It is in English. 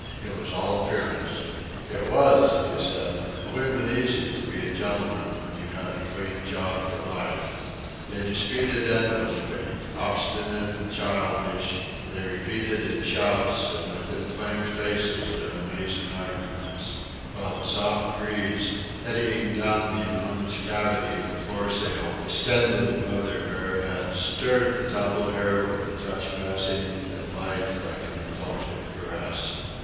It was all appearance. "It was," he said, "bloomin' easy to be a gentleman when you had a clean job for life." They disputed endlessly, obstinate and childish; they repeated in shouts and with inflamed faces their amazing arguments; while the soft breeze, eddying down the enormous cavity of the foresail, distended above their bare heads, stirred the tumbled hair with a touch passing and light like an indulgent caress.